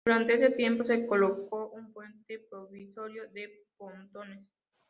Durante este tiempo se colocó un puente provisorio de pontones.